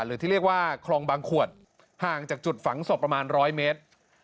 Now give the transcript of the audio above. หรือที่เรียกว่าคลองบางขวดห่างจากจุดฝังศพประมาณ๑๐๐เมตร